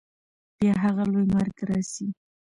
بیا هغه لوی مرګ راسي